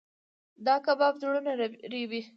دا کباب زړونه رېبي.